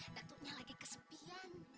datunya lagi kesepian